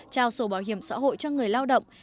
trao sổ bảo hiểm xã hội cho người lao động